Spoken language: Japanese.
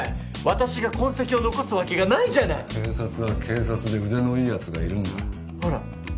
私が痕跡を残すわけがないじゃない警察は警察で腕のいいやつがいるんだあら